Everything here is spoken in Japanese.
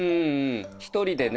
１人でね。